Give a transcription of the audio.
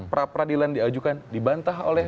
pra peradilan diajukan dibantah oleh